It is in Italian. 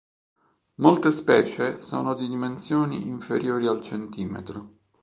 Molte specie sono di dimensioni inferiori al centimetro.